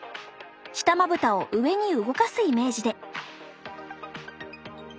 下まぶたを上に動かすイメージで。